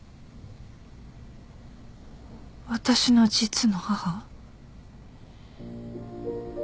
私の実の母？